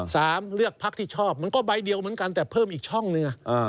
เลือกพักที่ชอบมันก็ใบเดียวเหมือนกันแต่เพิ่มอีกช่องหนึ่ง